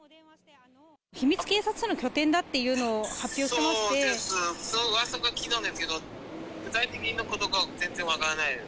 秘密警察署の拠点だっていうそうです、うわさは聞いたんですけど、具体的なことは全然分からないです。